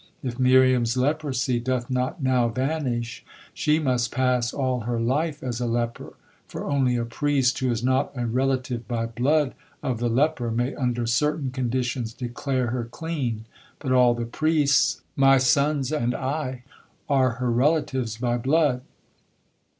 If Miriam's leprosy doth not now vanish, she must pass all her life as a leper, for only a priest who is not a relative by blood of the leper may under certain conditions declare her clean, but all the priests, my sons and I, are her relatives by blood.